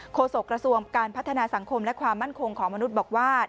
โศกระทรวงการพัฒนาสังคมและความมั่นคงของมนุษย์บอกว่า